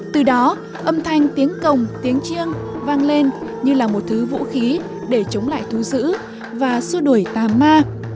từ đó âm thanh tiếng cồng tiếng chiêng vang lên như là một thứ vũ khí để chống lại thú dữ và xua đuổi ta ma